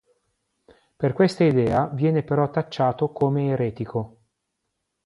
Per questa idea, viene però tacciato come eretico.